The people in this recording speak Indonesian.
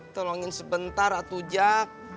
tolongin sebentar atuh jak